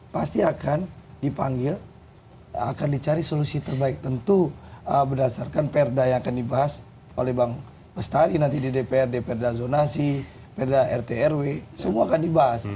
pasti akan dipanggil akan dicari solusi terbaik tentu berdasarkan perda yang akan dibahas oleh bang bestari nanti di dprd perda zonasi perda rt rw semua akan dibahas